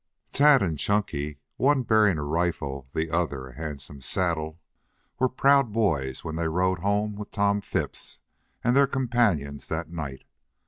Tad and Chunky, one bearing a rifle, the other a handsome saddle, were proud boys when they rode home with Tom Phipps and their companions that night.